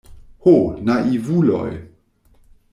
Ho naivuloj!